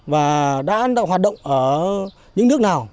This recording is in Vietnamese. và đã hoạt động ở những nước nào